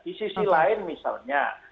di sisi lain misalnya